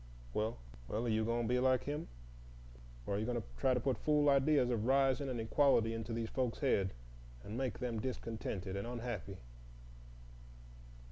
Well—well, are you going to be like him, or are you going to try to put fool ideas of rising and equality into these folks' heads, and make them discontented and unhappy?"